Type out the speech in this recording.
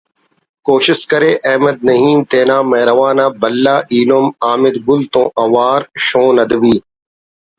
کوشست کرے احمد نعیم تینا مہروان آ بھلا ایلم حامد گل تون اوار شون ادبی